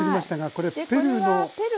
これはペルーのね